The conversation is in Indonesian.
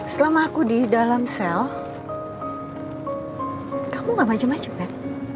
selama aku di dalam sel kamu gak macam macam kan